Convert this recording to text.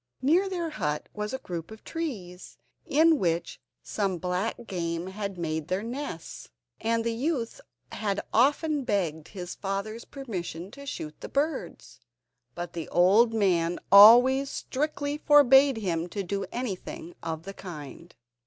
Near their hut was a group of birch trees, in which some black game had made their nests, and the youth had often begged his father's permission to shoot the birds, but the old man always strictly forbade him to do anything of the kind.